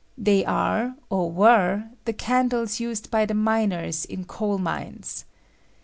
They are, or were, the candlea used by the miners in coal mines.